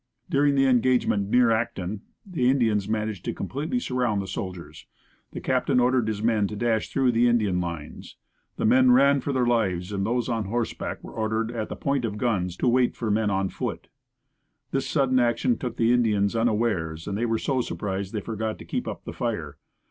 During the engagement near Acton, the Indians managed to completely surround the soldiers. The captain ordered his men to dash through the Indian lines. The men ran for their lives, and those on horseback were ordered, at point of guns, to wait for men on foot. This sudden action took the Indians unawares and they were so surprised they forgot to keep up the fire.